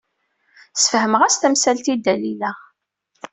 Sfehmeɣ-as tamsalt i Dalila.